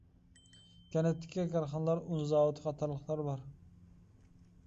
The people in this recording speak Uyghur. كەنتتىكى كارخانىلار ئۇن زاۋۇتى قاتارلىقلار بار.